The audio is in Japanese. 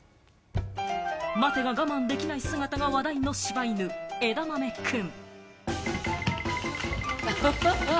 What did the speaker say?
待てが我慢できない姿が話題の柴犬・えだまめくん。